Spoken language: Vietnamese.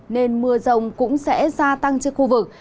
nên mưa rồng cũng sẽ gia tăng trên khu vực